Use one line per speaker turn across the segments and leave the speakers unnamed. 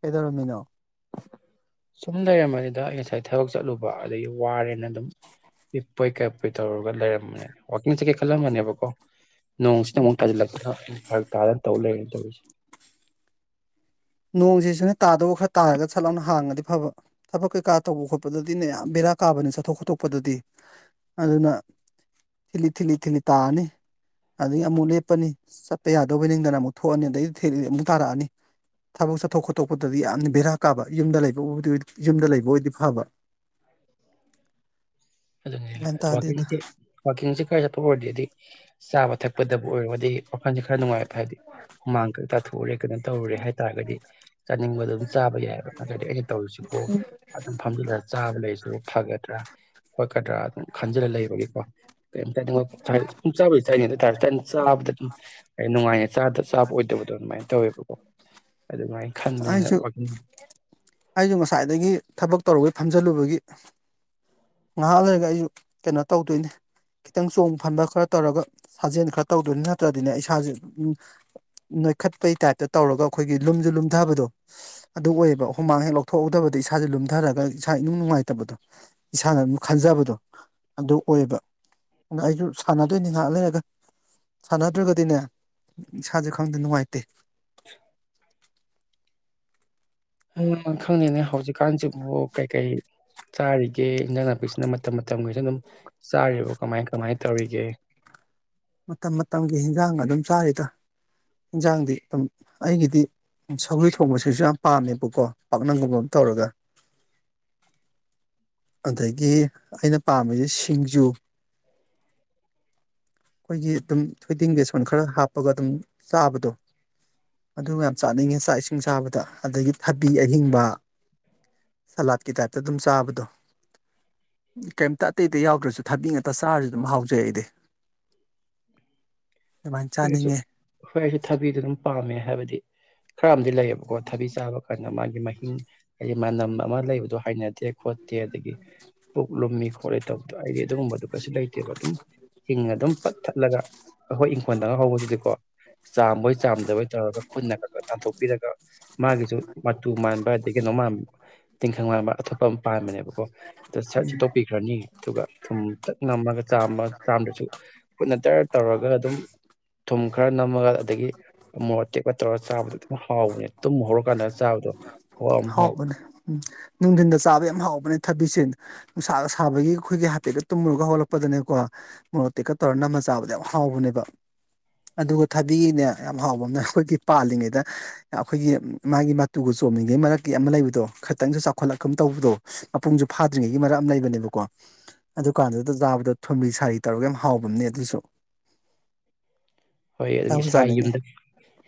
ꯀꯗꯔꯃꯤꯅꯣ
ꯁꯨꯝ ꯂꯩꯔꯝꯃꯅꯤꯗ ꯑꯩ ꯉꯁꯥꯏ ꯊꯕꯛ ꯆꯠꯂꯨꯕ ꯑꯗꯒꯤ ꯋꯥꯔꯦꯅ ꯑꯗꯨꯝ ꯄꯤꯞꯄꯣꯏ ꯀꯩꯞꯄꯣꯏ ꯇꯧꯔꯒ ꯂꯩꯔꯝꯕꯅꯤ ꯋꯥꯀꯤꯡ ꯆꯠꯀꯦ ꯈꯜꯂꯝꯕꯅꯦꯕꯀꯣ ꯅꯣꯡꯁꯤꯗ ꯑꯃꯨꯛ ꯊꯥꯖꯤꯜꯂꯛꯄꯗ ꯑꯩꯅ ꯐꯛ ꯇꯥꯗꯅ ꯇꯧ ꯂꯩꯔꯦ ꯇꯧꯔꯤꯁꯦ
ꯅꯣꯡꯁꯤ ꯁꯨꯅ ꯇꯥꯗꯕ ꯈꯔ ꯇꯥꯔꯒ ꯆꯠꯂꯥꯎꯅ ꯍꯥꯡꯉꯗꯤ ꯐꯕ ꯊꯕꯛ ꯀꯩꯀꯥ ꯇꯧꯕ ꯈꯣꯠꯄꯗꯗꯤꯅꯦ ꯌꯥꯝ ꯕꯦꯔꯥ ꯀꯥꯕꯅꯤ ꯆꯠꯊꯣꯛ ꯈꯣꯠꯇꯣꯛꯄꯗꯗꯤ ꯑꯗꯨꯅ ꯊꯤꯜꯂꯤ ꯊꯤꯜꯂꯤ ꯊꯤꯜꯂꯤ ꯇꯥꯑꯅꯤ ꯑꯗꯒꯤ ꯑꯃꯨꯛ ꯂꯦꯞꯄꯅꯤ ꯆꯠꯄ ꯌꯥꯗꯕ ꯅꯤꯡꯗꯅ ꯑꯃꯨꯛ ꯊꯣꯛꯑꯅꯤ ꯑꯗꯩꯗꯤ ꯊꯤꯂꯤ ꯑꯃꯨꯛ ꯇꯥꯔꯛꯑꯅꯤ ꯊꯕꯛ ꯆꯠꯊꯣꯛ ꯈꯣꯠꯇꯣꯛꯄꯗꯗꯤ ꯌꯥꯝꯅ ꯕꯦꯔꯥ ꯀꯥꯕ ꯌꯨꯝꯗ ꯂꯩꯕꯕꯨꯕꯨ ꯌꯨꯝꯗ ꯂꯩꯕ ꯑꯣꯏꯗꯤ ꯐꯕ
ꯑꯗꯨ
ꯒ꯭ꯌꯥꯟ ꯇꯥꯗꯦꯗ
ꯋꯥꯀꯤꯁ ꯋꯥꯀꯤꯁꯤ ꯀꯩ ꯆꯄꯄꯗꯦꯗꯤ ꯁꯕ ꯊ ꯀꯛꯄꯗꯕꯨ ꯑꯣꯏꯔꯣ ꯑꯗꯤ ꯋꯥꯈꯜꯁꯦ ꯈꯔ ꯅꯨꯡꯉꯥꯏꯕ ꯍꯥꯏꯗꯤ ꯍꯨꯃꯥꯡ ꯊꯣꯛꯣꯔꯦ ꯀꯩꯅꯣ ꯇꯧꯔꯨꯔꯦ ꯍꯥꯏꯇꯥꯔꯒꯗꯤ ꯆꯥꯅꯤꯡꯕꯗ ꯑꯗꯨꯝ ꯆꯥꯕ ꯌꯥꯏꯑꯕ ꯅꯠꯇ꯭ꯔꯒꯗꯤ ꯑꯩꯅ ꯇꯧꯔꯤꯁꯤꯕꯣ ꯑꯗꯨꯝ ꯐꯝꯖꯤꯜꯂꯁꯤ ꯆꯥꯕ ꯂꯩꯁꯨ ꯐꯒꯗ꯭ꯔꯥ ꯍꯣꯏꯀꯗ꯭ꯔꯥ ꯑꯗꯨꯝ ꯈꯟꯖꯤꯜꯂ ꯂꯩꯕꯒꯤꯀꯣ ꯀꯩꯝꯇ ꯆꯥꯕꯁꯤ ꯆꯅꯤ ꯑꯗꯨꯇꯥꯔꯁꯨ ꯆꯥꯕꯗ ꯑꯗꯨꯝ ꯅꯨꯡꯉꯥꯏꯉ ꯆꯥꯗ ꯆꯥꯕ ꯑꯣꯏꯗꯕꯗꯣ ꯑꯗꯨꯃꯥꯏꯅ ꯇꯧꯋꯦꯕꯀꯣ ꯑꯗꯨꯃꯥꯏꯅ ꯈꯟꯗꯦ
ꯑꯩꯁꯨ ꯑꯩꯁꯨ ꯉꯁꯥꯏꯗꯒꯤ ꯊꯕꯛ ꯇꯧꯔꯨꯕꯩ ꯐꯝꯖꯜꯂꯨꯕꯒꯤ ꯉꯥꯏꯍꯥꯛ ꯂꯩꯔꯒ ꯑꯩꯁꯨ ꯀꯩꯅꯣ ꯇꯧꯗꯣꯏꯅꯤ ꯈꯤꯇꯪ ꯆꯣꯡ ꯐꯟꯕ ꯈꯔ ꯇꯧꯔꯒ ꯁꯥꯖꯦꯜ ꯈꯔ ꯇꯧꯗꯣꯏꯅꯤ ꯅꯠꯇ꯭ꯔꯗꯤꯅꯦ ꯑꯩ ꯏꯁꯥꯁꯦ ꯅꯣꯏꯈꯠꯄꯩ ꯇꯥꯏꯞꯇ ꯇꯧꯔꯒ ꯑꯩꯈꯣꯏꯒꯤ ꯂꯨꯝꯁꯨ ꯂꯨꯝꯊꯕꯗꯣ ꯑꯗꯨ ꯑꯣꯏꯌꯦꯕ ꯍꯨꯃꯥꯡ ꯍꯦꯛ ꯂꯧꯊꯣꯛꯎꯧꯗꯕꯗ ꯏꯁꯥꯁꯦ ꯂꯨꯝꯊꯔꯒ ꯏꯁꯥ ꯏꯅꯨꯡ ꯅꯨꯡꯉꯥꯏꯇꯕꯗꯣ ꯏꯁꯥꯅ ꯑꯗꯨꯝ ꯈꯟꯖꯕꯗꯣ ꯑꯗꯨ ꯑꯣꯏꯌꯦꯕ ꯑꯗꯨ ꯑꯩꯁꯨ ꯁꯥꯟꯅꯗꯣꯏꯅꯤ ꯉꯍꯥꯛ ꯂꯩꯔꯒ ꯁꯥꯟꯅꯗ꯭ꯔꯒꯗꯤꯅꯦ ꯏꯁꯥ ꯁꯦ ꯈꯪꯗꯦ ꯅꯨꯡꯉꯥꯏꯇꯦ
ꯎ ꯈꯪꯉꯅꯦ ꯍꯧꯖꯤꯛ ꯀꯥꯟꯆꯤꯡ ꯄꯨ ꯀꯩ ꯀꯩ ꯆꯥꯔꯤꯒꯦ ꯏꯟꯖꯥꯡ ꯅꯥꯄꯤꯁꯤꯅ ꯃꯇꯝ ꯃꯇꯝꯒꯤꯁꯨ ꯑꯗꯨꯝ ꯆꯥꯔꯤꯕ ꯀꯃꯥꯏ ꯀꯃꯥꯏꯅ ꯇꯧꯔꯤꯒꯦ
ꯃꯇꯝ ꯃꯇꯝꯒꯤ ꯍꯟꯖꯥꯡ ꯑꯗꯨꯝ ꯆꯥꯔꯤꯗ ꯏꯟꯖꯥꯡꯗꯤ ꯑꯗꯨꯝ ꯑꯩꯒꯤꯗꯤ ꯁꯧꯔꯤ ꯊꯣꯡꯕꯁꯤꯁꯨ ꯌꯥꯝ ꯄꯥꯝꯃꯦꯕꯀꯣ ꯄꯥꯛꯅꯝꯒꯨꯝꯕ ꯑꯃ ꯇꯧꯔꯒ ꯑꯗꯒꯤ ꯑꯩꯅ ꯄꯥꯝꯃꯤꯁꯦ ꯁꯤꯡꯖꯨ ꯑꯩꯈꯣꯏꯒꯤ ꯑꯗꯨꯝ ꯊꯣꯏꯗꯤꯡ ꯕꯦꯁꯣꯟ ꯈꯔ ꯍꯥꯞꯄꯒ ꯑꯗꯨꯝ ꯆꯥꯕꯗꯣ ꯑꯗꯨ ꯌꯥꯝ ꯆꯥꯅꯤꯡꯉꯦ ꯆꯥꯛ ꯏꯁꯤꯡ ꯆꯥꯕꯗ ꯑꯗꯒꯤ ꯊꯕꯤ ꯑꯍꯤꯡꯕ ꯁꯂꯥꯠꯀꯤ ꯇꯥꯏꯞꯇ ꯑꯗꯨꯝ ꯆꯥꯕꯗꯣ ꯀꯩꯝꯇ ꯑꯇꯩ ꯑꯇꯩ ꯌꯥꯎꯗ꯭ꯔꯁꯨ ꯊꯕꯤ ꯉꯥꯛꯇ ꯆꯥꯔꯁꯨ ꯑꯗꯨꯝ ꯍꯥꯎꯖꯩ ꯑꯩꯗꯤ ꯑꯗꯨꯃꯥꯏꯅ
ꯍꯣꯏꯁꯨ
ꯆꯥꯅꯤꯡꯉꯦ
ꯍꯣꯏ ꯑꯩꯁꯨ ꯊꯕꯤꯗꯣ ꯑꯗꯨꯝ ꯄꯥꯝꯃꯦ ꯍꯥꯏꯕꯗꯤ ꯈꯔ ꯑꯃꯗꯤꯝ ꯂꯩꯌꯦꯕꯀꯣ ꯊꯕꯤ ꯆꯥꯕ ꯀꯅ ꯃꯥꯒꯤ ꯃꯍꯤꯡ ꯍꯥꯏꯗꯤ ꯃꯅꯝ ꯑꯃ ꯂꯩꯕꯗꯣ ꯍꯥꯏꯅꯗꯦ ꯈꯣꯠꯇꯦ ꯑꯗꯒꯤ ꯄꯨꯛ ꯂꯨꯝꯃꯤ ꯈꯣꯠꯂꯤ ꯇꯧꯕꯗꯣ ꯑꯩꯗꯤ ꯑꯗꯨꯒꯨꯝꯕꯗꯨ ꯀꯩꯁꯨ ꯂꯩꯇꯦꯕ ꯑꯗꯨꯝ ꯍꯤꯡ ꯑꯗꯨꯝ ꯄꯠ ꯊꯠꯂꯒ ꯑꯩꯈꯣꯏ ꯏꯪꯈꯣꯜꯗꯒ ꯍꯧꯕꯁꯤꯗꯤꯀꯣ ꯆꯥꯝꯕꯣꯏ ꯆꯥꯝꯗꯕꯣꯏ ꯇꯧꯔꯒ ꯈꯨꯟꯅ ꯈꯛ ꯇꯥꯟꯊꯣꯛꯄꯤꯔꯒ ꯃꯥꯒꯤꯁꯨ ꯃꯇꯨ ꯃꯥꯟꯕ ꯑꯗꯗꯒꯤ ꯀꯩꯅꯣꯥꯃꯥꯟꯕ ꯇꯤꯡꯈꯪ ꯃꯥꯟꯕ ꯑꯇꯣꯞꯄ ꯑꯃ ꯄꯥꯟꯕꯅꯦꯕꯀꯣ ꯁꯤꯠꯇꯣꯛꯄꯤꯈ꯭ꯔꯅꯤ ꯑꯗꯨꯒ ꯊꯨꯝ ꯇꯛ ꯉꯝꯃꯒ ꯆꯥꯝꯃ ꯆꯥꯝꯗꯁꯨ ꯈꯨꯠꯅ ꯇꯔ ꯇꯧꯔꯒ ꯑꯗꯨꯝ ꯊꯨꯝ ꯈꯔ ꯅꯝꯃꯒ ꯑꯗꯒꯤ ꯑꯃꯣꯔꯣꯛ ꯇꯦꯛꯄꯒ ꯇꯧꯔꯒ ꯆꯥꯕꯗ ꯑꯗꯨꯝ ꯍꯥꯎꯕꯅꯦ ꯇꯨꯝ ꯍꯧꯔꯀꯥꯟꯗ ꯆꯥꯕꯗꯣ ꯈꯨꯍꯥꯎ ꯑꯃ ꯍꯥꯎ
ꯍꯥꯎꯕꯅꯦ ꯎꯝ ꯅꯨꯡꯊꯤꯟꯗ ꯆꯥꯕ ꯌꯥꯝ ꯍꯥꯎꯕꯅꯦ ꯊꯕꯤꯁꯦ ꯅꯨꯡꯁꯥ ꯁꯥꯕꯒꯤ ꯑꯩꯈꯣꯏꯒꯤ ꯍꯥꯐꯦꯠꯀ ꯇꯨꯝꯃꯨꯔꯒ ꯍꯧꯒꯥꯠꯂꯛꯄꯗꯅꯦꯀꯣ ꯃꯣꯔꯣꯛ ꯑꯇꯦꯛꯀ ꯇꯧꯔꯒ ꯅꯝꯃ ꯆꯥꯕꯗ ꯌꯥꯝ ꯍꯥꯎꯕꯅꯦꯕ ꯑꯗꯨꯒ ꯊꯕꯤꯅꯦ ꯌꯥꯝ ꯍꯥꯎꯕ ꯑꯃꯅ ꯑꯩꯈꯣꯏꯒꯤ ꯄꯥꯜꯂꯤꯉꯩꯗ ꯑꯩꯈꯣꯏꯒꯤ ꯃꯥꯒꯤ ꯃꯇꯨꯒ ꯆꯣꯝꯃꯤꯉꯩ ꯃꯔꯛꯇ ꯑꯃ ꯂꯩꯕꯗꯣ ꯈꯤꯇꯪꯁꯨ ꯆꯥꯎꯈꯠꯂꯛꯀ ꯇꯧꯕꯗꯣ ꯃꯄꯨꯡꯁꯨ ꯐꯥꯗ꯭ꯔꯤꯉꯩꯒꯤ ꯃꯔꯛ ꯑꯃ ꯂꯩꯕꯅꯦꯕꯀꯣ ꯑꯗꯨ ꯀꯥꯟꯗꯨꯗ ꯆꯥꯕꯗꯣ ꯊꯣꯝꯂꯤ ꯁꯥꯔꯤ ꯇꯧꯔꯒ ꯌꯥꯝ ꯍꯥꯎꯕ ꯑꯃꯅꯦ ꯑꯗꯨꯁꯨ
ꯍꯣꯏ ꯑꯗꯨꯅ
ꯆꯥꯕꯨ
ꯏꯁꯥꯒꯤ
ꯆꯥꯅꯤꯡꯉꯦ
ꯌꯨꯝꯗ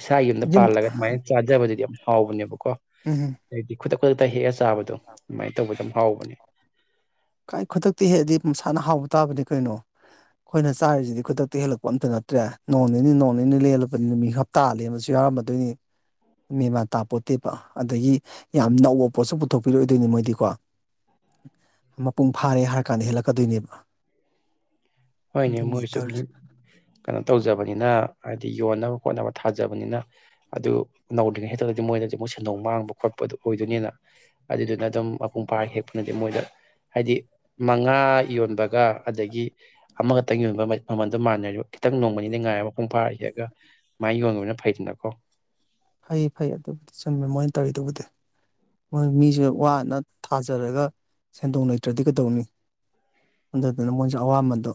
ꯏꯁꯥꯒꯤ ꯌꯨꯝꯗ
ꯌꯨꯝ
ꯄꯥꯜꯂꯒ ꯑꯗꯨꯃꯥꯏꯅ ꯆꯥꯖꯕꯗꯨꯗꯤ ꯌꯥꯝ ꯍꯥꯎꯕꯅꯦꯕ ꯀꯣ
ꯎꯝ
ꯑꯩꯗꯤꯈꯨ ꯈꯨꯗꯥꯛ ꯇꯥ ꯍꯦꯛ ꯑ ꯆꯥꯕꯥ ꯆꯥꯕꯗꯣ ꯑꯗꯨꯃꯥꯏꯅ ꯇꯧꯕꯗꯣ ꯌꯥꯝ ꯍꯥꯎꯕꯅꯦ
ꯀꯥꯏ ꯈꯨꯗꯛꯇ ꯍꯦꯛꯂꯗꯤ ꯃꯁꯥꯅ ꯍꯥꯎꯕ ꯇꯥꯕꯅꯤ ꯀꯩꯅꯣ ꯑꯩꯈꯣꯏꯅ ꯆꯥꯔꯤꯁꯤꯗꯤ ꯈꯨꯗꯛꯇ ꯍꯦꯛꯂꯛꯄ ꯑꯝꯇ ꯅꯠꯇ꯭ꯔꯦ ꯅꯣꯡꯅꯤꯅꯤ ꯅꯣꯡꯅꯤꯅꯦ ꯂꯦꯜꯂꯛꯄꯅꯤ ꯅꯨꯃꯤꯠ ꯍꯞꯇꯥ ꯂꯦꯟꯕꯁꯨ ꯌꯥꯎꯔꯝꯃꯗꯣꯏꯅꯤ ꯃꯦꯟ ꯃꯥꯟꯇꯥꯄꯣꯠꯇꯦ ꯑꯗꯒꯤ ꯌꯥꯝ ꯅꯧꯕ ꯄꯣꯠꯁꯨ ꯄꯨꯊꯣꯛꯄꯤꯔꯣꯏꯗꯣꯏꯅꯤ ꯃꯣꯏꯗꯤꯀꯣ ꯃꯄꯨꯡ ꯐꯥꯔꯦ ꯍꯥꯏꯔ ꯀꯥꯟꯗ ꯍꯦꯜꯂꯛꯀꯗꯣꯏꯅꯦꯕ
ꯍꯣꯏꯅꯦ
ꯑꯗꯨꯅꯤ
ꯃꯣꯏꯁꯨ
ꯇꯧꯔꯤꯁꯦ
ꯀꯩꯅꯣ ꯇꯧꯖꯕꯅꯤꯅ ꯍꯥꯏ ꯗ ꯍꯥꯏ ꯌꯣꯟꯅꯕ ꯈꯣꯠꯅꯕ ꯊꯥꯖꯕꯅꯤꯅ ꯑꯗꯨ ꯅꯧꯗ꯭ꯔꯤꯉꯩ ꯍꯦꯛꯇꯗꯤ ꯃꯣꯏꯗꯗꯤ ꯑꯃꯨꯛ ꯁꯦꯟꯗꯣꯡ ꯃꯥꯡꯕ ꯈꯣꯠꯄ ꯑꯗꯨ ꯑꯣꯏꯗꯣꯏꯅꯤꯅ ꯑꯗꯨꯗꯨꯅ ꯑꯗꯨꯝ ꯃꯄꯨꯡ ꯐꯥ ꯍꯦꯛꯄꯅꯗꯤ ꯃꯣꯏꯗ ꯍꯥꯏꯗꯤ ꯉꯥ ꯌꯣꯟꯕꯒ ꯑꯗꯒꯤ ꯑꯃꯈꯛꯇꯪ ꯌꯣꯟꯕ ꯃꯃꯟꯗꯨ ꯃꯥꯟꯅꯔꯤꯕ ꯈꯤꯇꯪ ꯅꯣꯡꯃꯅꯤꯅꯦ ꯉꯥꯏꯔ ꯃꯄꯨꯡ ꯐꯥꯔ ꯍꯦꯛꯑꯒ ꯃꯥꯏ ꯌꯣꯟꯕꯅ ꯐꯩꯗꯅꯀꯣ
ꯐꯩ ꯐꯩ ꯑꯗꯨꯕꯨꯗꯤ ꯆꯨꯝꯃꯦ ꯃꯣꯏꯅ ꯇꯧꯔꯤ ꯗꯣꯕꯨꯗꯤ ꯃꯣꯏ ꯃꯤꯁꯨ ꯋꯥꯅ ꯊꯥꯖꯔꯒ ꯁꯦꯟꯗꯣꯡ ꯂꯩꯇ꯭ꯔꯗꯤ ꯀꯩꯗꯧꯅꯤ ꯑꯗꯨꯗꯅ ꯃꯣꯏꯁꯨ ꯑꯋꯥꯃꯟꯗꯣ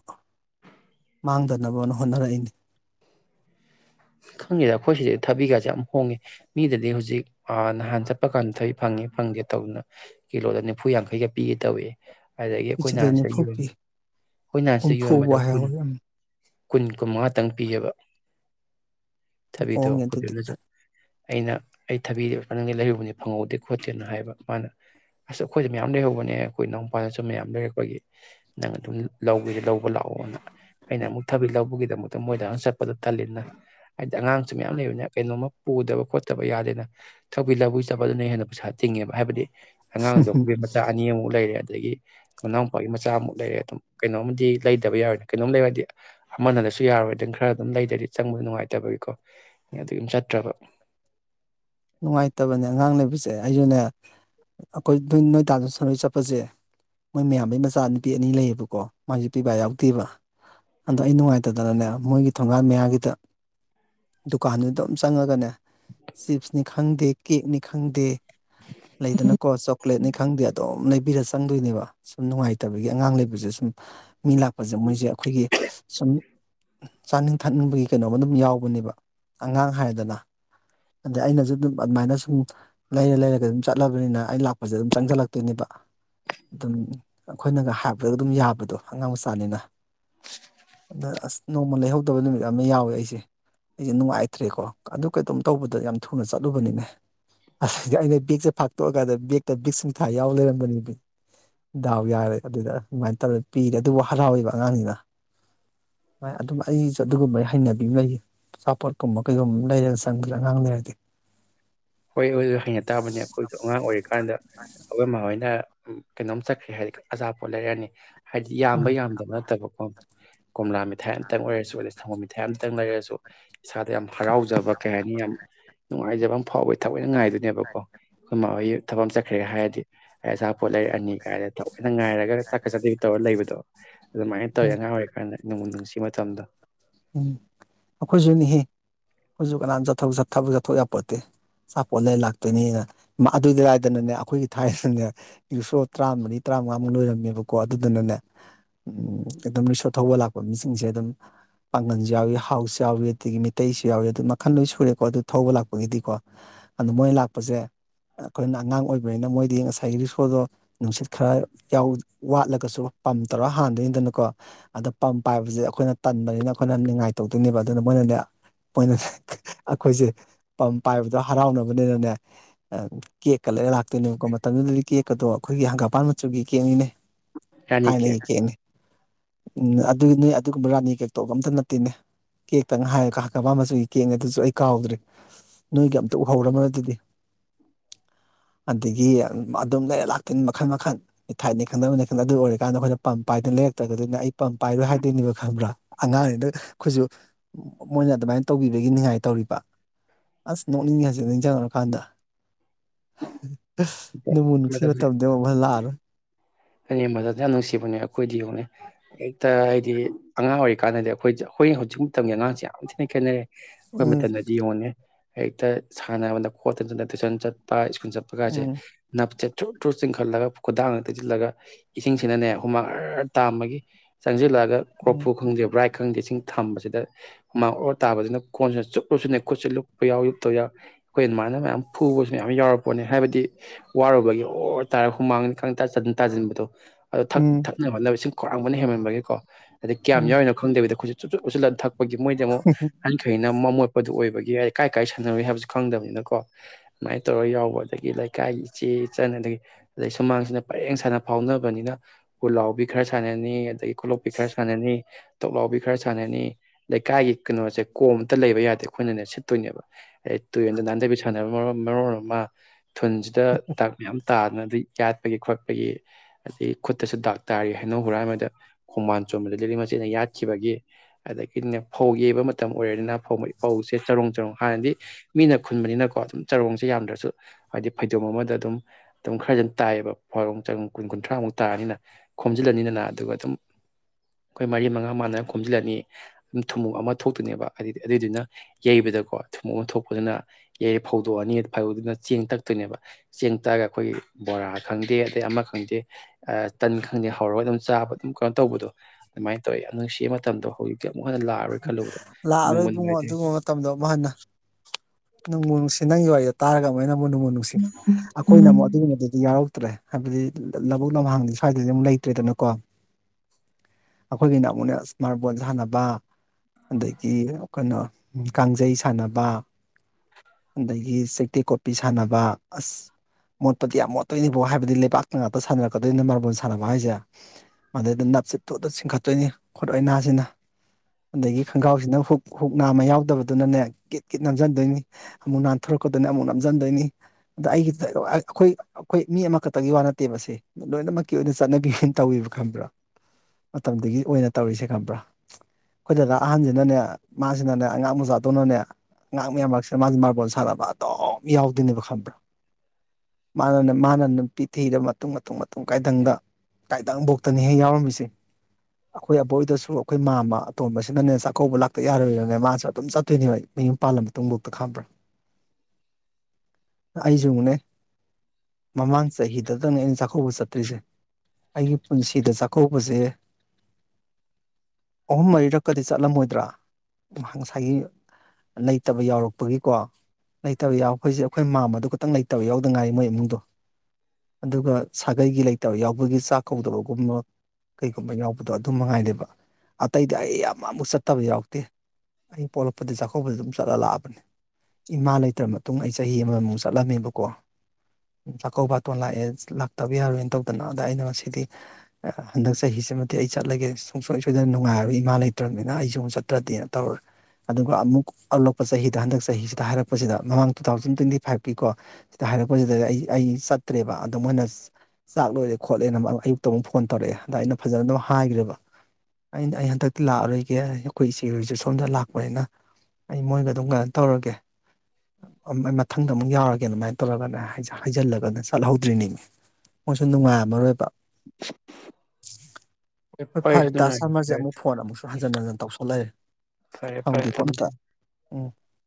ꯃꯥꯡꯗꯅꯕꯅ ꯍꯣꯠꯅꯔꯛꯏꯅꯤ
ꯈꯪꯉꯤꯗ ꯑꯩꯈꯣꯏ ꯁꯤꯗꯗꯤ ꯊꯕꯤꯒꯁꯦ ꯌꯥꯝ ꯍꯣꯡꯉꯦ ꯃꯤꯗꯗꯤ ꯍꯧꯖꯤꯛ ꯅꯍꯥꯟ ꯆꯠꯄ ꯀꯥꯟꯗ ꯊꯣꯕꯤ ꯐꯪꯉꯦ ꯐꯪꯗꯦ ꯅ ꯇꯧꯗꯅ ꯀꯤꯂꯣꯗ ꯅꯤꯐꯨ ꯌꯥꯡꯈꯩꯒ ꯄꯤꯒꯦ ꯇꯧꯏ ꯑꯗꯒꯤ
ꯀꯦꯖꯤꯗ
ꯑꯩꯈꯣꯏꯅꯥꯟ ꯁꯦ ꯗ
ꯅꯤꯐꯨ
ꯒꯤ
ꯄꯤ
ꯑꯩꯈꯣꯏ ꯅꯍꯥꯟ ꯌꯣꯟꯕ
ꯍꯨꯝꯐꯨꯕꯨ
ꯐꯟ
ꯍꯥꯏꯍꯧꯋꯤ ꯎꯝ
ꯀꯨꯟꯀꯨꯃꯥ ꯈꯤꯇꯪ ꯄꯤꯖꯕ
ꯍꯣꯡꯉꯦ ꯑꯗꯨꯗꯤ
ꯕꯦꯝꯃꯅꯁꯨ ꯑꯩꯅ ꯑꯩ ꯊꯕꯤꯗꯅꯤꯡꯗꯤ ꯂꯩꯍꯨꯕꯅꯤ ꯐꯪꯍꯧꯗꯦ ꯈꯣꯠꯁꯦꯅ ꯍꯥꯏꯕ ꯃꯥꯅ ꯑꯁ ꯑꯩꯈꯣꯏꯗ ꯃꯌꯥꯝ ꯂꯩꯍꯧꯕꯅꯦ ꯑꯩꯈꯣꯏ ꯏꯅꯥꯎꯄꯥꯅꯁꯨ ꯃꯌꯥꯝ ꯂꯩꯔꯦ ꯑꯩꯈꯣꯏꯒꯤ ꯅꯪ ꯑꯗꯨꯝ ꯂꯧꯕꯁ ꯂꯧꯕ ꯂꯥꯛꯑꯣꯅ ꯑꯩꯅ ꯑꯃꯨꯛ ꯊꯕꯤ ꯂꯧꯕꯒꯤꯗꯃꯛꯇ ꯑꯗ ꯃꯣꯏꯗ ꯍꯥꯡ ꯆꯠꯄꯗ ꯊꯠꯜꯂꯤꯅ ꯍꯥꯏꯗꯤ ꯑꯉꯥꯡꯁꯨ ꯃꯌꯥꯝ ꯂꯩꯕꯅꯤꯅ ꯀꯩꯅꯣꯝꯃ ꯄꯨꯗꯕ ꯈꯣꯠꯇꯕ ꯌꯥꯗꯦꯅ ꯊꯧꯕꯤ ꯂꯧꯕꯤ ꯆꯕ ꯑꯗꯨꯅ ꯍꯦꯟꯅ ꯄꯩꯁꯥ ꯇꯤꯡꯉꯦꯕ ꯍꯥꯏꯕꯗꯤ ꯑꯉꯥꯡꯗꯣ ꯑꯩꯈꯣꯏꯒꯤ ꯃꯆꯥ ꯑꯅꯤꯃꯨꯛ ꯂꯩꯔꯦ ꯑꯗꯒꯤ ꯃꯅꯥꯎ ꯃꯄꯥꯒꯤ ꯃ ꯃꯆꯥꯃꯨꯛ ꯂꯩꯔꯦ ꯑꯗꯨꯝ ꯀꯩꯅꯣꯝ ꯗꯤ ꯂꯩꯗꯕ ꯌꯥꯔꯣꯏꯗ ꯀꯩꯅꯣꯝ ꯂꯩꯔꯗꯤ ꯑꯃꯅꯅꯁꯨ ꯌꯥꯔꯔꯣꯏ ꯑꯗꯨꯝ ꯈꯔ ꯑꯗꯨꯝ ꯂꯩꯗꯗꯤ ꯆꯪꯕꯗ ꯅꯨꯡꯉꯥꯏꯇꯕꯒꯤꯀꯣ ꯑꯗꯨꯝ ꯆꯠꯇ꯭ꯔꯕ
ꯅꯨꯡꯉꯥꯏꯇꯕꯅꯦ ꯑꯉꯥꯡ ꯂꯩꯕꯁꯦ ꯑꯩꯁꯨꯅꯦ ꯑꯩꯈꯣꯏ ꯅꯣꯏꯗꯥꯥꯟꯗ ꯁꯔꯣꯏ ꯆꯠꯄꯁꯦ ꯃꯣꯏ ꯃꯌꯥꯝꯕꯩ ꯃꯆꯥꯅꯨꯄꯤ ꯑꯅꯤ ꯂꯩꯌꯦꯕꯀꯣ ꯃꯁꯦ ꯄꯤꯕꯥ ꯌꯥꯎꯗꯦꯕ ꯑꯗꯣ ꯑꯩ ꯅꯨꯡꯉꯥꯏꯇꯗꯅꯅꯦ ꯃꯣꯏꯒꯤ ꯊꯣꯡꯒꯥꯟ ꯃꯌꯥꯒꯤꯗ ꯗꯨꯀꯥꯟꯗꯨꯗ ꯑꯗꯨꯝ ꯆꯪꯉꯒꯅꯦ ꯆꯤꯞꯁ ꯅꯤ ꯈꯪꯗꯦ ꯀꯦꯛꯅꯤ ꯈꯪꯗꯦ ꯂꯩꯗꯅꯀꯣ ꯆꯣꯀ꯭ꯂꯦꯠꯅꯤ ꯈꯪꯗꯦ ꯑꯗꯨꯣꯝ ꯂꯩ ꯄꯕꯤꯔ ꯆꯪꯗꯣꯏꯅꯦꯕ ꯁꯨꯝ ꯅꯨꯡꯉꯥꯏꯇꯕꯒꯤ ꯑꯉꯥꯡ ꯂꯩꯕꯁꯦ ꯁꯨꯝ ꯃꯤ ꯂꯥꯛꯄꯁꯦ ꯃꯣꯏꯁꯦ ꯑꯩꯈꯣꯏꯒꯤ ꯁꯨꯝ ꯆꯥꯅꯤꯡ ꯊꯛꯅꯤꯡꯕꯒꯤ ꯀꯩꯅꯣꯝ ꯑꯗꯨꯝ ꯌꯥꯎꯕꯅꯦꯕ ꯑꯉꯥꯡ ꯍꯥꯏꯗꯅ ꯑꯗꯩ ꯑꯩꯅꯁꯨ ꯑꯗꯨꯝ ꯑꯗꯨꯃꯥꯏꯅ ꯁꯨꯝ ꯂꯩꯔ ꯂꯩꯔꯒ ꯑꯗꯨꯝ ꯆꯠꯂꯕꯅꯤꯅ ꯑꯩ ꯂꯥꯛꯄꯁꯦ ꯑꯗꯨꯝ ꯆꯪꯁꯤꯜꯂꯛꯇꯣꯏꯅꯦꯕ ꯑꯗꯨꯝ ꯑꯩꯈꯣꯏꯅꯒ ꯍꯥꯏꯕꯗꯒ ꯑꯗꯨꯝ ꯌꯥꯕꯗꯣ ꯑꯉꯥꯡ ꯃꯆꯥꯅꯤꯅ ꯑꯗ ꯑꯁ ꯅꯣꯡꯃ ꯂꯩꯍꯧꯗꯕ ꯅꯨꯃꯤꯠ ꯑꯃ ꯌꯥꯎꯋꯦ ꯑꯩꯁꯦ ꯑꯩꯁꯦ ꯅꯨꯡꯉꯥꯏꯇ꯭ꯔꯦꯀꯣ ꯑꯗꯨ ꯀꯩꯣꯝ ꯇꯧꯕꯗꯣ ꯌꯥꯝ ꯊꯨꯅ ꯆꯠꯂꯨꯕꯅꯤꯅꯦ ꯑꯗꯨꯗꯤ ꯑꯩꯅ ꯕꯦꯒꯁꯦ ꯐꯥꯛꯇꯣꯛꯑꯀꯥꯟꯗ ꯕꯦꯒꯛꯇ ꯕꯦꯛ ꯁꯤꯡꯊꯥ ꯌꯥꯎ ꯂꯩꯔꯝꯕꯅꯤꯕ ꯗꯥꯎ ꯌꯥꯎꯔꯦ ꯑꯗꯨꯗ ꯑꯗꯨꯃꯥꯏꯅ ꯇꯧꯔꯒ ꯄꯤꯔꯦ ꯑꯗꯨꯕꯨ ꯍꯔꯥꯎꯋꯦꯕ ꯑꯉꯥꯡꯅꯤꯅ ꯑꯗꯨꯃꯥꯏ ꯑꯗꯨꯝ ꯑꯩꯁꯨ ꯑꯗꯨꯒꯨꯝꯕꯒꯤ ꯍꯩꯅꯕꯤ ꯑꯃ ꯂꯩꯌꯦ ꯑꯆꯥꯄꯣꯠꯀꯨꯝꯕ ꯀꯩꯒꯨꯝꯕ ꯑꯃ ꯂꯩꯔꯒ ꯆꯪꯕꯗ ꯑꯉꯥꯡ ꯂꯩꯔꯗꯤ
ꯍꯣꯏ ꯍꯁꯨ ꯍꯩꯅ ꯇꯥꯕꯅꯦ ꯑꯩꯈꯣꯏꯁꯨ ꯑꯉꯥꯡ ꯑꯣꯏꯔꯤꯀꯥꯟꯗ ꯑꯈꯣꯏꯃꯥꯍꯣꯏꯅ ꯎ ꯀꯩꯅꯣꯝ ꯆꯠꯈ꯭ꯔꯦ ꯍꯥꯏꯗꯤ ꯑꯖꯥꯄꯣꯠ ꯂꯩꯔꯅꯤ ꯍꯥꯏꯗꯤ ꯌꯥꯝꯕ
ꯎꯝ
ꯌꯥꯝꯗꯕ ꯅꯠꯇꯕꯀꯣ ꯀꯣꯝꯂꯥ ꯃꯤꯊꯥꯏ ꯑꯃꯇꯪ ꯑꯣꯏꯔꯁꯨ ꯑꯗ ꯁꯪꯒꯜ ꯃ ꯃꯤꯊꯥꯏ ꯑꯃꯇꯪ ꯂꯩꯔꯁꯨ ꯏꯁꯥꯗ ꯌꯥꯝ ꯍꯔꯥꯎꯖꯩ ꯐꯖꯕ ꯀꯩ ꯍꯥꯏꯅꯤ ꯌꯥꯝ ꯅꯨꯡꯉꯥꯏꯖꯕ ꯐꯥꯎꯣꯏ ꯊꯏꯅ ꯉꯥꯏ ꯑꯗꯨꯅꯦꯕꯀꯣ ꯑꯩꯈꯣꯏꯣꯏ ꯊꯕꯛ ꯆꯠꯈ꯭ꯔꯦꯒꯦ ꯍꯥꯏꯔꯗꯤ ꯑꯩ ꯑꯆꯥꯄꯣꯠ ꯂꯩꯔꯛꯑꯅꯤ ꯀꯥꯏꯅ ꯊꯑꯣꯏꯅ ꯉꯥꯏꯔꯒ ꯆꯥꯛꯀꯠ ꯆꯠꯊꯕꯤ ꯇꯧꯔ ꯂꯩꯕꯗꯣ ꯑꯗꯨꯃꯥꯏꯅ ꯇꯧꯋꯤ
ꯎꯝ
ꯑꯉꯥꯡ ꯑꯣꯏꯔꯤꯀꯥꯟꯗ ꯅꯣꯡ ꯅꯨꯡꯁꯤ ꯃꯇꯝꯗ
ꯎꯝ ꯑꯩꯈꯣꯏꯁꯨ ꯍꯦ ꯑꯩꯈꯣꯏꯁꯨ ꯀꯅꯥꯝ ꯆꯠ ꯆꯠꯊꯕ ꯆꯠꯊꯣꯛ ꯌꯥꯄꯣꯠꯇꯦ ꯑꯆꯥꯄꯣꯠ ꯂꯩ ꯂꯥꯛꯇꯣꯏꯅꯤꯅ ꯑꯗꯨꯏꯗꯨꯗꯥꯏꯗꯅꯅꯦ ꯑꯩꯈꯣꯏꯒꯤ ꯊꯥꯏꯗꯅꯦ ꯔꯤꯁꯣ ꯇꯔꯥꯃꯔꯤ ꯇꯔꯥꯃꯉꯥꯃꯨꯛ ꯂꯣꯏꯔꯝꯃꯦꯕꯀꯣ ꯑꯗꯨꯗꯨꯅꯅꯦ ꯎꯝ ꯑꯗꯨꯝ ꯔꯤꯁꯣ ꯊꯧꯕ ꯂꯥꯛꯄ ꯃꯤꯁꯤꯡꯁꯦ ꯑꯗꯨꯝ ꯄꯥꯡꯒꯜꯁꯨ ꯌꯥꯎꯏꯤ ꯍꯥꯎꯁꯨ ꯌꯥꯎꯏꯤ ꯑꯗꯒꯤ ꯃ ꯃꯤꯇꯩꯁꯨ ꯌꯥꯎꯏꯤ ꯑꯗꯨ ꯃꯈꯟ ꯂꯣꯏ ꯁꯨꯔꯦꯀꯣ ꯑꯗꯨ ꯊꯧꯕ ꯂꯥꯛꯄꯒꯤꯗꯤꯀꯣ ꯑꯗꯨꯗ ꯃꯣꯏ ꯂꯥꯛꯄꯁꯦ ꯑꯩꯈꯣꯏꯅ ꯑꯉꯥꯡ ꯑꯣꯏꯕꯅꯤꯅ ꯃꯣꯏꯗꯤ ꯉꯁꯥꯏꯒꯤ ꯔꯤꯁꯣꯔꯗꯣ ꯅꯨꯡꯁꯤꯠ ꯈꯔ ꯋꯥꯠꯂꯒꯁꯨ ꯄꯝ ꯇꯧꯔ ꯍꯥꯟꯗꯣꯏꯅꯤꯗꯅꯀꯣ ꯑꯗꯣ ꯄꯝ ꯄꯥꯏꯕꯁꯦ ꯑꯩꯈꯣꯏꯅ ꯇꯟꯕꯅꯤꯅ ꯑꯩꯈꯠꯅ ꯉꯥꯏ ꯇꯧꯗꯣꯏꯅꯦꯕ ꯑꯗꯨꯅ ꯃꯣꯏꯅꯅꯦ ꯃꯣꯏꯅꯅꯦ ꯑꯩꯈꯣꯏꯁꯦ ꯄꯝ ꯄꯥꯏꯕꯗꯣ ꯍꯔꯥꯎꯅꯕꯅꯤꯅꯅꯦ ꯀꯦꯛꯀ ꯂꯩꯔ ꯂꯥꯛꯇꯣꯏꯅꯦꯕꯀꯣ ꯃꯇꯝꯗꯨꯗꯗꯤ ꯀꯦꯛ ꯑꯗꯣ ꯑꯩꯈꯣꯏꯒꯤ ꯍꯪꯒꯥꯝꯄꯥꯟ ꯃꯆꯨꯒꯤ ꯀꯦꯛꯅꯤꯅꯦ
ꯔꯥꯅꯤ
ꯍꯥꯏꯅ
ꯀꯦꯛ
ꯀꯦꯅꯦ ꯎꯝ ꯑꯗꯨꯒꯤ ꯅꯣꯏ ꯑꯗꯨꯒ ꯕꯔꯥꯅꯤ ꯀ ꯑꯇꯣꯞ ꯑꯝꯇ ꯅꯠꯇꯦꯅꯦ ꯀꯦꯛꯇ ꯉ ꯍꯥꯏꯔꯒ ꯀꯕ ꯃꯆꯨꯒꯤ ꯀꯦꯛ ꯑꯗꯨꯁꯨ ꯑꯩ ꯀꯥꯎꯗ꯭ꯔꯦ ꯅꯣꯏꯒꯤ ꯑꯝꯇ ꯎꯍꯧꯔꯝꯃ ꯑꯗꯨꯗꯤ ꯑꯗꯒꯤ ꯑꯗꯨꯝ ꯂꯩꯔ ꯂꯥꯛꯇꯣꯏꯅꯤ ꯃꯈꯜ ꯃꯈꯟ ꯃꯤꯊꯥꯏꯠꯅꯦ ꯈꯪꯗꯕꯅꯦ ꯈꯪꯗ ꯑꯗꯨ ꯑꯣꯏꯔꯀꯥꯟꯗ ꯑꯩꯈꯣꯏꯅ ꯄꯝ ꯄꯥꯏꯗꯅ ꯂꯩꯔꯛꯇ꯭ꯔꯒꯗꯣꯏꯅꯤ ꯑꯩ ꯄꯝ ꯄꯥꯏꯔꯣꯏ ꯍꯥꯏꯗꯣꯏꯅꯦꯕ ꯈꯟꯕ꯭ꯔꯥ ꯑꯉꯥꯡꯅꯤꯗ ꯑꯩꯈꯣꯏꯁꯨ ꯃꯣꯏꯅ ꯑꯗꯨꯃꯥꯏꯅ ꯇꯧꯕꯤꯕꯒꯤ ꯉꯥꯏ ꯇꯧꯔꯤꯕ ꯑꯁ ꯅꯣꯛꯅꯤꯡꯉ ꯅꯤꯡꯁꯤꯡꯉꯨꯔꯀꯥꯟꯗ ꯅꯣꯡꯃꯕꯨ ꯅꯨꯡꯁꯤ ꯃꯇꯝꯗ ꯋꯥꯕꯜꯂꯥꯛꯑꯔ
ꯑꯅꯦꯝ ꯃ ꯌꯥꯝ ꯅꯨꯡꯁꯤꯕꯅꯦ ꯑꯩꯈꯣꯏꯗꯤ ꯌꯦꯡꯅꯩ ꯍꯦꯛꯇ ꯍꯥꯏꯗꯤ ꯑꯉꯥꯡ ꯑꯣꯏꯔꯤꯀꯥꯟꯗꯗꯤ ꯑꯩꯈꯣꯏ ꯑꯩꯈꯣꯏ ꯍꯧꯖꯤꯛ ꯃꯇꯝꯗꯤ ꯑꯉꯥꯡꯁꯦ ꯌꯥꯝ ꯊꯤꯅ ꯈꯦꯠꯅꯔꯦ ꯑꯩꯈꯣꯏ
ꯎꯝ
ꯃꯇꯝꯊꯗꯗꯤ ꯌꯣꯟꯉꯦ ꯍꯦꯛꯇ ꯁꯥꯟꯅꯕꯗ ꯈꯣꯠꯇꯅ ꯆ ꯇꯨꯁꯟ ꯆꯠꯄ ꯆꯠꯄ ꯀꯁꯦ
ꯎꯝ
ꯊ꯭ꯔꯨꯠ ꯊ꯭ꯔꯨꯠ ꯆꯤꯡꯈꯠꯂꯒ ꯈꯨ ꯇꯩꯁꯤꯜꯂꯒ ꯏꯁꯤꯡꯁꯤꯅꯅꯦ ꯍꯨꯃꯥꯡ ꯇꯝꯃ ꯆꯪꯁꯤꯜ ꯗ
ꯎꯝ
ꯀ꯭ꯔꯣꯐꯨ ꯈꯪꯗꯦ ꯕ꯭ꯔꯥꯏ ꯈꯪꯗꯦ ꯁꯤꯡ ꯊꯝꯕꯁꯤꯗ ꯃꯃꯥꯡ ꯑꯣꯔ ꯇꯥꯕꯁꯤꯅ ꯀꯣꯟꯁꯤꯅ ꯆꯨꯞꯂꯨꯁꯨꯅꯦ ꯈꯨꯠꯁꯤ ꯂꯨꯞꯄ ꯌꯥꯎ ꯂꯨꯞꯇꯕ ꯌꯥꯎ ꯑꯩꯈꯣꯏ ꯑꯗꯨꯃꯥꯏꯅ ꯃꯌꯥꯝ ꯐꯨꯕꯁꯨ ꯃꯌꯥꯝ ꯌꯥꯎꯔꯛꯄꯅꯦ ꯍꯥꯏꯕꯗꯤ ꯋꯥꯔꯨꯕꯒꯤ ꯑꯣꯔ ꯇꯥꯔꯦ ꯍꯨꯃꯥꯡꯅꯤ ꯈꯪ ꯇꯟ ꯇꯥꯁꯤꯟꯕꯗꯣ ꯑꯗꯣ
ꯎꯝ
ꯊꯛꯅꯕꯅꯕꯁꯤꯡ ꯈꯧꯔꯥꯡꯕꯅ ꯍꯦꯃꯟꯕꯒꯤꯀꯣ ꯍꯥꯏꯗꯤ ꯀꯌꯥꯝ
ꯎꯝ
ꯌꯥꯎꯔꯤꯣ ꯈꯪꯗꯕꯤꯗꯖꯤꯛ ꯊꯛ ꯑꯩꯈꯣꯏꯒꯤ ꯃꯣꯏꯗ ꯑꯃꯨꯛ ꯍꯟꯊꯅ ꯃꯣꯏ ꯑꯄꯗꯨ ꯑꯣꯏꯕꯒꯤ ꯀꯥꯏ ꯀꯥꯏ ꯁꯥꯟꯅꯔꯏ ꯍꯥꯏꯕꯁꯨ ꯈꯪꯗꯕꯅꯤꯅꯀꯣ ꯑꯗꯨꯃꯥꯏꯅ ꯇꯧꯔꯒ ꯌꯥꯎꯕ ꯑꯗꯒꯤ ꯂꯩꯀꯥꯏꯒꯤ ꯆꯦ ꯆꯟ ꯑꯗꯒꯤ ꯑꯗꯩ ꯁꯨꯃꯥꯡꯁꯤꯅ ꯄꯔꯦꯡ ꯁꯥꯟꯅ ꯐꯥꯎꯅꯕꯅꯤꯅ ꯎꯒꯂꯥꯎꯕꯤ ꯈꯔ ꯁꯥꯟꯅꯅꯤ ꯑꯗꯗꯒꯤ ꯀꯂꯣ ꯄꯤꯈ꯭ꯔꯥ ꯁꯥꯟꯅꯅꯤ ꯇꯣꯛꯂꯥꯎꯕꯤ ꯈꯔ ꯁꯥꯟꯅꯅꯤ ꯂꯩꯀꯥꯏꯒꯤ ꯀꯩꯅꯣꯁꯦ ꯀꯣꯝꯇ ꯂꯩꯕ ꯌꯥꯗꯦ ꯑꯩꯈꯣꯏꯅꯅꯦ ꯁꯤꯠꯇꯣꯏꯅꯦꯕ ꯑ ꯇꯨꯔꯦꯟꯗ ꯅꯥꯟꯊꯕꯤ ꯁꯥꯟꯅꯕ ꯃꯔ ꯑꯃ ꯊꯟꯁꯤꯗ ꯇꯥꯛ ꯃꯌꯥꯝ ꯇꯥꯗꯅ ꯑꯗꯨ ꯌꯥꯠꯄꯒꯤ ꯈꯣꯠꯄꯒꯤ ꯑꯗꯒꯤ ꯈꯨꯠꯇꯁꯨ ꯗꯥꯛ ꯇꯥꯔꯤ ꯍꯥꯏꯩꯅꯧ ꯍꯨꯔꯥꯏ ꯑꯃꯗ ꯈꯣꯡꯕꯥꯟ ꯆꯣꯡꯕꯗ ꯂꯤꯜꯂꯤ ꯃꯆꯦꯠꯅ ꯌꯥꯠꯈꯤꯕꯒꯤ ꯑꯗꯒꯤꯅꯦ ꯐꯧ ꯌꯦꯩꯕ ꯃꯇꯝ ꯑꯣꯏꯔꯅꯤꯅ ꯐꯧ ꯐꯧꯁꯦ ꯆꯔꯣꯡ ꯆꯔꯣꯡ ꯍꯥꯟꯅꯗꯤ ꯃꯤꯅ ꯈꯨꯟꯕꯅꯤꯅꯀꯣ ꯑꯗꯨꯝ ꯆꯔꯣꯡꯁꯦ ꯌꯥꯝꯗ꯭ꯔꯁꯨ ꯍꯥꯏꯗꯤ ꯐꯩꯗꯣꯝ ꯑꯃꯗ ꯑꯗꯨꯝ ꯑꯗꯨꯝ ꯈꯔ ꯑꯗꯨꯝ ꯇꯥꯏꯑꯕ ꯆꯪ ꯀꯨꯟ ꯀꯨꯟꯊ꯭ꯔꯥꯃꯨꯛ ꯇꯥꯔꯅꯤꯅ ꯈꯣꯝꯖꯤꯜꯂꯅꯤꯗꯅ ꯑꯗꯨꯒ ꯑꯗꯨꯝ ꯑꯩꯈꯣꯏ ꯃꯔꯤ ꯃꯉꯥ ꯃꯥꯟꯅ ꯈꯣꯝꯖꯤꯜꯂꯅꯤ ꯑꯗꯨꯝ ꯊꯨꯝꯃꯣꯛ ꯑꯃ ꯊꯣꯛꯇꯣꯏꯅꯦꯕ ꯑꯗꯨꯗꯤ ꯑꯗꯨꯏꯗꯨꯅ ꯌꯩꯕꯗꯀꯣ ꯊꯨꯝꯃꯣꯛ ꯑꯃ ꯊꯣꯛꯄꯗꯨꯅ ꯌꯩꯔ ꯐꯧꯗꯣꯛꯑꯅꯤ ꯐꯧꯗꯣꯛꯇꯅ ꯆꯦꯡ ꯇꯛꯇꯣꯏꯅꯦꯕ ꯆꯦꯡ ꯇꯛꯑꯒ ꯑꯩꯈꯣꯏꯒꯤ ꯕꯣꯔꯥ ꯈꯪꯗꯦ ꯑꯗꯩ ꯑꯃ ꯈꯪꯗꯦ ꯇꯟ ꯈꯪꯗꯦ ꯍꯧꯔꯒ ꯑꯗꯨꯝ ꯆꯥꯕ ꯑꯗꯨꯝ ꯀꯩꯅꯣ ꯇꯧꯕꯗꯣ ꯑꯗꯨꯃꯥꯏꯅ ꯇꯧꯋꯤꯅꯨꯡ ꯁꯤꯕ ꯃꯇꯝꯗꯣ ꯍꯧ
ꯂꯥꯛꯑꯔꯣꯏ ꯏ ꯄꯨꯡꯉꯣ
ꯅꯨꯡꯉꯥꯏꯇꯦ
ꯑꯗꯨꯒꯨꯝꯕ ꯃꯇꯝꯗꯣ ꯑꯃꯨ ꯍꯟꯅ ꯅꯣꯡꯃꯨ ꯅꯨꯡꯁꯤ ꯅꯪꯒꯤ ꯋꯥꯔꯤꯗ ꯇꯥꯔꯒ ꯃꯣꯏꯅ ꯅꯃ ꯅꯣꯡꯃꯣ ꯅꯨꯡꯁꯦ ꯑꯩꯈꯣꯏꯅ ꯑꯃꯨꯛ ꯑꯗꯨꯒꯤ ꯃꯗꯨꯗꯤ ꯌꯥꯎꯔ ꯇ꯭ꯔꯦ ꯍꯥꯏꯕꯗꯤ ꯂꯧꯕꯨꯛ ꯂꯝꯍꯥꯡꯗꯤ ꯁ꯭ꯋꯥꯏꯗꯗꯤ ꯑꯃꯨꯛ ꯂꯩꯇ꯭ꯔꯦꯗꯅꯀꯣ ꯑꯩꯈꯣꯏꯒꯤꯅ ꯑꯃꯨꯛꯅ ꯏꯁꯃꯥꯔꯠ ꯕꯣꯔꯣꯟ ꯁꯥꯟꯅꯕ ꯑꯗꯒꯤ ꯀꯩꯅꯣ ꯀꯥꯡꯖꯩ ꯁꯥꯟꯅꯕ ꯑꯗꯒꯤ ꯆꯦꯛꯛꯇꯦꯛ ꯀꯣꯄꯤ ꯁꯥꯟꯅꯕ ꯑꯁ ꯃꯣꯠꯄꯗꯤ ꯌꯥꯝ ꯃꯣꯠꯇꯣꯏꯅꯤꯕ ꯍꯥꯏꯕꯗꯤ ꯂꯩꯕꯥꯛꯇ ꯉꯥꯛꯇ ꯁꯥꯟꯅꯔꯛꯀꯗꯣꯏꯅꯤ ꯃꯥꯔꯕꯣꯜ ꯁꯥꯟꯅꯕ ꯍꯥꯏꯁꯦ ꯃꯗꯩꯗ ꯅꯞꯆ ꯊꯨꯅ ꯆꯤꯡꯈꯠꯇꯣꯏꯅꯤ ꯈꯣꯠꯂꯣꯏ ꯅꯥꯁꯤꯅ ꯑꯗꯒꯤ ꯈꯣꯡꯒ꯭ꯔꯥꯎꯁꯤꯅ ꯍꯨꯛ ꯍꯨꯛ ꯅꯥꯝꯃ ꯌꯥꯎꯗꯕꯗꯨꯅꯅꯦ ꯀꯤꯠ ꯀꯤꯠ ꯅꯝꯖꯟ ꯑꯃꯨꯛ ꯅꯥꯟꯊꯣꯔꯛꯀꯗꯣꯏꯅꯤ ꯑꯃꯨꯛ ꯅꯝꯁꯤꯟꯗꯣꯏꯅꯤ ꯑꯗ ꯑꯩꯒꯤ ꯑꯩꯈꯣꯏ ꯑꯩꯈꯣꯏ ꯃꯤ ꯑꯃꯈꯛꯇꯒꯤ ꯋꯥ ꯅꯠꯇꯦꯕꯁꯦ ꯂꯣꯏꯅꯃꯛꯀꯤ ꯑꯣꯏꯅ ꯆꯠꯅꯕꯤ ꯑꯣꯏꯅ ꯇꯧꯋꯕ ꯈꯪꯕ꯭ꯔꯥ ꯃꯇꯝꯗꯨꯒꯤ ꯑꯣꯏꯅ ꯇꯧꯔꯤꯁꯦ ꯈꯪꯕ꯭ꯔꯥ ꯑꯩꯈꯣꯏ ꯗꯗꯥ ꯑꯍꯟꯁꯤꯅꯅꯦ ꯃꯥꯁꯤꯅꯅꯦ ꯑꯉꯥꯡ ꯃꯆꯥꯗꯧꯅꯅꯦ ꯉꯥꯡ ꯃꯌꯥꯝ ꯃꯔꯁꯤꯅ ꯃꯥꯁꯦ ꯃꯥꯔꯕꯣꯜ ꯁꯥꯟꯅꯕ ꯑꯗꯨꯝ ꯌꯥꯎꯗꯣꯏꯅꯦꯕ ꯈꯪꯕ꯭ꯔꯥ ꯃꯥꯅ ꯃꯥꯅ ꯅꯨꯄꯤ ꯊꯤꯔ ꯃꯇꯨꯡ ꯃꯇꯨꯡ ꯃꯇꯨꯡ ꯀꯥꯏꯗꯪꯗ ꯀꯥꯏꯗꯪꯕꯣꯛꯇꯅꯤ ꯍꯦꯛ ꯌꯥꯎꯔꯝꯃꯤꯁꯦ ꯑꯩꯈꯣꯏ ꯑꯕꯣꯏꯗꯁꯨ ꯑꯩꯈꯣꯏ ꯃꯥꯃ ꯑꯇꯣꯝꯕꯁꯤꯅꯅꯦ ꯆꯥꯛꯀꯧꯕ ꯂꯥꯛꯇ ꯌꯥꯔꯣꯏꯕꯅꯦ ꯃꯥꯁꯨ ꯑꯗꯨꯝ ꯆꯠꯇꯣꯏꯅꯦꯕ ꯃꯌꯨꯝ ꯄꯥꯜꯂꯝ ꯃꯇꯨꯡꯨꯡꯕꯣꯛꯇ ꯈꯥꯕ꯭ꯔꯥ ꯑꯩꯁꯨ ꯉꯨꯅꯦ ꯃꯃꯥꯡ ꯆꯍꯤꯗꯇꯪ ꯑꯩꯅ ꯆ ꯍꯧꯕ ꯆꯠꯇ꯭ꯔꯤꯁꯦ ꯑꯩꯒꯤ ꯄꯨꯟꯁꯤꯗ ꯆ ꯀꯧꯕꯁꯦ ꯑꯍꯨꯝ ꯃꯔꯤꯔꯛꯀꯗꯤ ꯆꯠꯂꯝꯃꯣꯏꯗ꯭ꯔꯥ ꯉꯁꯥꯏꯒꯤ ꯂꯩꯇꯕ ꯌꯥꯎꯔꯛꯄꯒꯤꯀꯣ ꯂꯩꯇꯕ ꯌꯥꯎꯔꯛꯄꯩꯁꯦ ꯑꯩꯈꯣꯏ ꯃꯝꯕꯗ ꯈꯇꯪ ꯂꯩꯇꯕ ꯌꯥꯎꯗꯉꯥꯏ ꯃꯣꯏ ꯏꯃꯨꯡꯗꯣ ꯑꯗꯨꯒ ꯁꯥꯒꯩꯒꯤ ꯂꯩꯇꯕ ꯌꯥꯎꯕꯒꯤ ꯆꯥꯛ ꯀꯧꯗꯕꯒꯨꯝꯕ ꯀꯩꯒꯨꯝꯕ ꯌꯥꯎꯕꯗꯣ ꯑꯗꯨ ꯃꯉꯥꯏꯗꯦꯕ ꯑꯇꯩꯗꯤ ꯑꯩ ꯌꯥꯝꯃꯨꯛ ꯆꯠꯇꯕ ꯌꯥꯎꯔꯛꯇꯦ ꯑꯩ ꯄꯣꯛꯂꯛꯄꯗ ꯆꯈ ꯆꯥꯛꯀꯧꯕꯗ ꯑꯗꯨꯝ ꯆꯠꯂ ꯂꯥꯛꯑꯕꯅꯤ ꯏꯃꯥ ꯂꯩꯇ꯭ꯔ ꯃꯇꯨꯡ ꯑꯩ ꯆꯍꯤ ꯑꯃꯃꯨꯛ ꯆꯠꯂꯝꯃꯦꯕꯀꯣ ꯆꯥꯛꯀ ꯇꯣꯟ ꯂꯥꯛꯑꯦ ꯂꯥꯛꯇꯕ ꯌꯥꯔꯣꯏꯅ ꯇꯧꯗꯅ ꯑꯗ ꯑꯩꯅ ꯃꯁꯤꯗꯤ ꯍꯟꯗꯛ ꯆꯍꯤꯁꯤꯃꯗꯤ ꯑꯩ ꯆꯠꯂꯒꯦ ꯁꯨꯡꯁꯣꯏ ꯁꯣꯏꯗꯅ ꯅꯨꯡꯉꯥꯏꯔꯣꯏ ꯏꯃꯥ ꯂꯩꯇ꯭ꯔꯕꯅꯤꯅ ꯑꯩꯁꯨ ꯑꯃꯨꯛ ꯆꯠꯇ꯭ꯔꯗꯤꯦꯅ ꯇꯧꯔꯔꯦ ꯑꯗꯨꯒ ꯑꯃꯨꯛ ꯑꯂꯛꯄ ꯆꯍꯤꯗ ꯍꯟꯗꯛ ꯆꯍꯤꯁꯤꯗ ꯍꯥꯏꯔꯛꯄꯁꯤꯗ ꯃꯃꯥꯡ ꯇꯨ ꯊꯥꯎꯖꯟ ꯇ꯭ꯋꯦꯟꯇꯤ ꯐꯥꯏꯚꯀꯤꯀꯣ ꯁꯤꯗ ꯍꯥꯏꯔꯛꯄꯁꯤꯗꯗꯤ ꯑꯩ ꯑꯩ ꯆꯠꯇ꯭ꯔꯦꯕ ꯑꯗꯣ ꯃꯣꯏꯅ ꯆꯥꯛ ꯂꯣꯏꯔꯦ ꯈꯣꯠꯂꯦꯅ ꯑꯌꯨꯛꯇ ꯑꯃꯨꯛ ꯐꯣꯟ ꯇꯧꯔꯛꯑꯦ ꯑꯗ ꯑꯩꯅ ꯐꯖꯅ ꯑꯗꯨꯝ ꯍꯥꯏꯈ꯭ꯔꯦꯕ ꯑꯩꯅ ꯑꯩ ꯍꯟꯗꯛꯇꯤ ꯂꯥꯛꯑꯔꯣꯏꯒꯦ ꯑꯩꯈꯣꯏ ꯏꯆꯦꯁꯨ ꯁꯣꯝꯗ ꯂꯥꯛꯄꯅꯤꯅ ꯑꯩ ꯃꯣꯏꯒ ꯑꯗꯨꯝ ꯀꯩꯅꯣ ꯇꯧꯔꯒꯦ ꯑꯩ ꯃꯊꯪꯗ ꯑꯃꯨꯛ ꯌꯥꯎꯔꯒꯦ ꯑꯗꯨꯃꯥꯏꯅ ꯇꯧꯔꯒꯅ ꯍꯥꯏꯖꯤꯜꯂꯒꯅ ꯆꯠꯍꯧꯗ꯭ꯔꯤꯅꯤꯃꯤ ꯃꯣꯏꯁꯨ ꯅꯨꯡꯉꯥꯏꯔꯝꯃꯔꯣꯏꯕ ꯍꯣꯏ ꯐꯔꯦ
ꯐꯔꯦꯁꯨ
ꯗꯥꯁ
ꯅꯨꯡꯉꯥꯏ
ꯁꯔꯃꯁꯦ
ꯐꯔꯦ
ꯑꯃꯨꯛ ꯐꯣꯟ ꯑꯃꯨꯛꯁꯨ ꯍꯟꯖꯤꯟ ꯍꯟꯖꯤꯟ ꯇꯧꯁꯜꯂꯛꯑꯦ
ꯐꯔꯦ ꯐꯔꯦ
ꯐꯝꯒꯦꯀꯣ
ꯊꯝꯃꯦ ꯊꯝꯃꯦ
ꯑꯝꯇ [unintelligible]